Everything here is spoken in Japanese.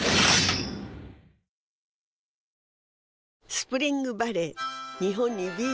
スプリングバレー